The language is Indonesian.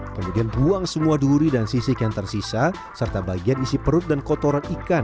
kemudian buang semua duri dan sisik yang tersisa serta bagian isi perut dan kotoran ikan